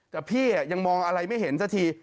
แต่พี่ยังมองอะไรไม่เห็นสักที